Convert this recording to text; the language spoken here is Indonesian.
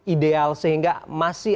ideal sehingga masih